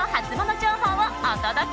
情報をお届け。